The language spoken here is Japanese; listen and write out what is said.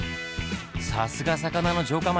さすが魚の城下町！